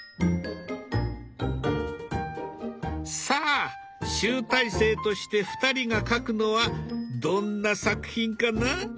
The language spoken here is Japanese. さあ集大成として２人が描くのはどんな作品かな？